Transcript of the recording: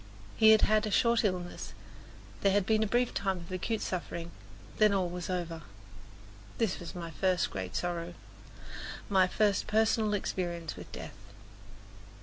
He had had a short illness, there had been a brief time of acute suffering, then all was over. This was my first great sorrow my first personal experience with death.